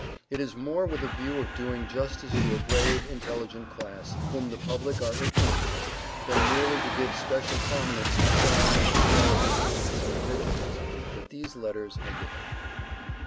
It is more with a view of doing justice to a brave, intelligent class, whom the public are ignorant of, than merely to give special prominence to John and his relatives as individuals, that these letters are given.